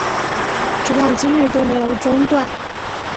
直到今日都没有中断